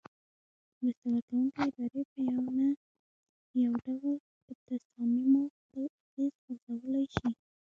مرسته ورکوونکې ادارې په یو نه یو ډول په تصامیمو خپل اغیز غورځولای شي.